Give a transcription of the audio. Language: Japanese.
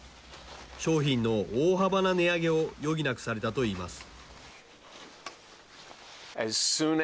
商品の大幅な値上げを余儀なくされたといいます。